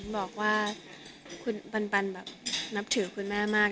บอกว่าคุณปันแบบนับถือคุณแม่มาก